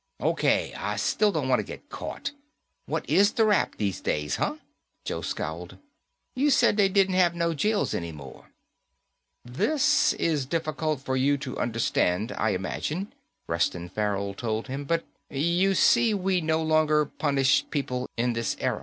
"O.K. I still don't wanta get caught. What is the rap these days, huh?" Joe scowled. "You said they didn't have no jails any more." "This is difficult for you to understand, I imagine," Reston Farrell told him, "but, you see, we no longer punish people in this era."